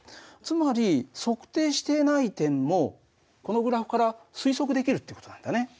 つまり測定してない点もこのグラフから推測できるっていう事なんだね。